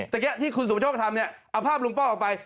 เมื่อกี้ที่คุณสุประโชคทำเนี่ยเอาภาพลุงป้อออกไป